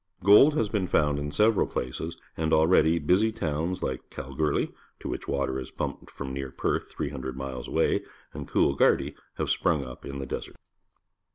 Gold has been found in several places, and already busy towns, like Kalgoorlie, to wliich water is pumped from near Perth, 300 miles away, and Co olgar die, have sprung up in the desert.